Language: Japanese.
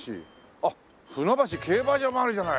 あっ船橋競馬場もあるじゃない。